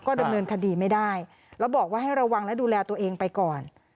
ดำเนินคดีไม่ได้แล้วบอกว่าให้ระวังและดูแลตัวเองไปก่อน